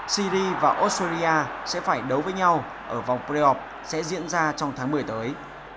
syria và australia sẽ phải đấu với nhau ở vòng playoff sẽ diễn ra trong tháng một mươi tới